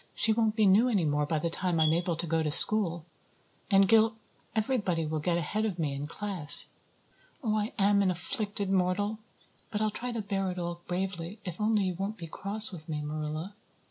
She won't be new any more by the time I'm able to go to school. And Gil everybody will get ahead of me in class. Oh, I am an afflicted mortal. But I'll try to bear it all bravely if only you won't be cross with me, Marilla."